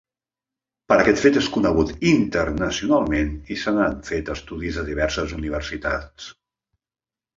Per aquest fet és conegut internacionalment i se n'han fet estudis a diverses universitats.